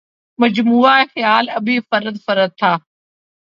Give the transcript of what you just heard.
مجموعہ خیال ابھی فرد فرد تھا